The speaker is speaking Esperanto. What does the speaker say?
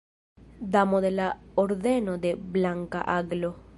Damo de la Ordeno de Blanka Aglo.